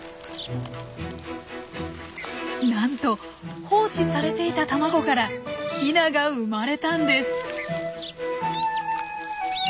なんと放置されていた卵からヒナが生まれたんです！